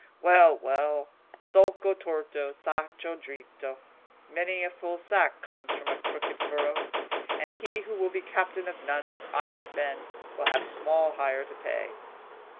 Well, well, solco torto, sacco dritto—many a full sack comes from a crooked furrow; and he who will be captain of none but honest men will have small hire to pay."